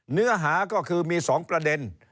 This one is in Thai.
เนื้อหาก็คือมี๒ประเด็น